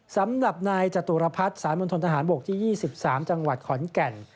สำหรับนายจตุรพัฒน์สารมณฑนทหารบกที่๒๓จังหวัดขอนแก่น